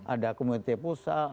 ada komite pusat